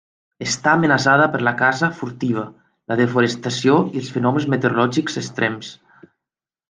Està amenaçada per la caça furtiva, la desforestació i els fenòmens meteorològics extrems.